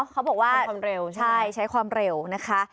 เขาบอกว่าใช้ความเร็วนะคะ